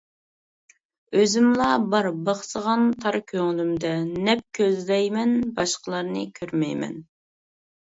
ئۆزۈملا بار بىخسىغان تار كۆڭلۈمدە، نەپ كۆزلەيمەن باشقىلارنى كۆرمەيمەن.